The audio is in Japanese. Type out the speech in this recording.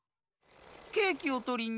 ケーキをとりに。